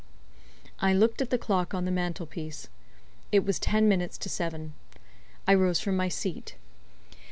I looked at the clock on the mantel piece. It was ten minutes to seven, I rose from my seat.